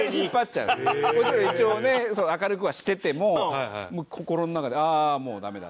もちろん一応明るくはしてても心の中で「ああもうダメだ」。